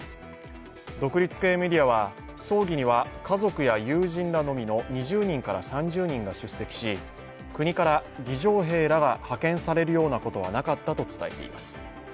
独立系メディアは葬儀には家族や友人らのみの２０人から３０人が出席し国から儀じょう兵らが派遣されるようなことはなかったと伝えています。